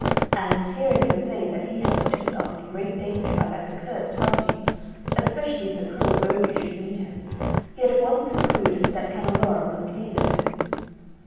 And, hearing her say that he had put himself in great danger by that accursed hunting, especially if the cruel ogre should meet him, he at once concluded that Canneloro must be there.